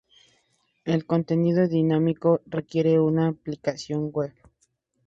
El contenido dinámico requiere una aplicación web.